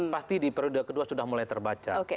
pasti di periode kedua sudah mulai terbaca